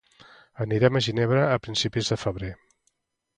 Anirem a Ginebra a principis de febrer.